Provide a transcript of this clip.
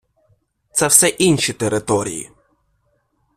Це все інші території.